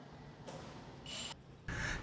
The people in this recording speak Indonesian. setiap tahun pengecekan dan perbaikan terus dilakukan